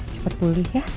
cepat pulih ya